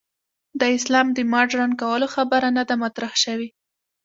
د اسلام د مډرن کولو خبره نه ده مطرح شوې.